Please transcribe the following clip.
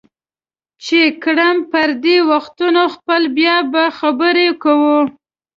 چې کړم پردي وختونه خپل بیا به خبرې کوو